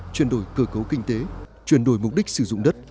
chuyển đổi cơ cấu kinh tế chuyển đổi mục đích sử dụng đất